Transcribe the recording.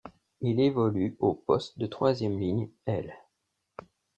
Il évolue au poste de troisième ligne aile.